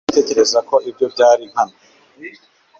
Uratekereza ko ibyo byari nkana